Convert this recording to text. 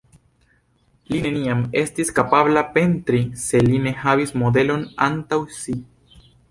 Li neniam estis kapabla pentri se li ne havis modelon antaŭ si.